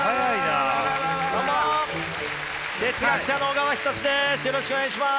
どうも哲学者の小川仁志です。